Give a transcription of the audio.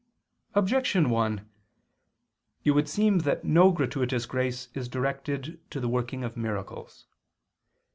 Objection 1: It would seem that no gratuitous grace is directed to the working of miracles.